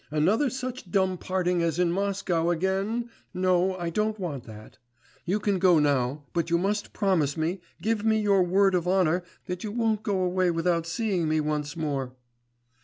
Another such dumb parting as in Moscow again no, I don't want that. You can go now, but you must promise me, give me your word of honour that you won't go away without seeing me once more.